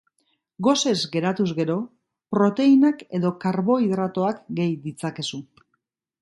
Gosez geratuz gero, proteinak edo karbohidratoak gehi ditzakezu.